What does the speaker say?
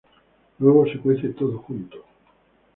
Luego se cuece todo junto.